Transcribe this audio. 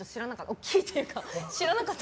大きいというか。